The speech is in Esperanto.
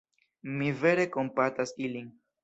Mi vere kompatas ilin.